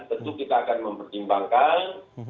tentu kita akan mempertimbangkan